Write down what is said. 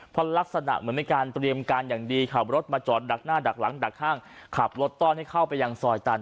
เพราะลักษณะเหมือนเป็นการเตรียมการอย่างดีขับรถมาจอดดักหน้าดักหลังดักข้างขับรถต้อนให้เข้าไปยังซอยตัน